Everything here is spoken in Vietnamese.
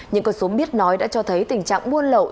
những con số biết nói đã cho thấy tình trạng buôn lậu